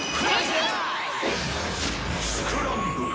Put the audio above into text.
「スクランブル！」